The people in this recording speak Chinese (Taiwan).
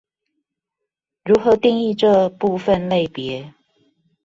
如何定義這部分類別